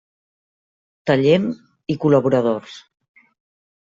Tallent i col·laboradors.